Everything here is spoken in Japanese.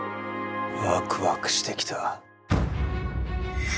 ワクワクしてきた。